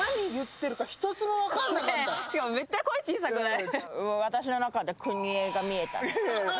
しかもめっちゃ声小さくない？